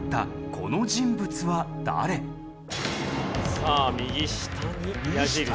さあ右下に矢印。